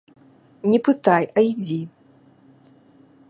Не пытай, а ідзі.